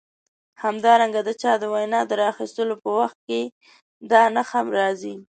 همدارنګه د چا د وینا د راخیستلو په وخت کې دا نښه راځي.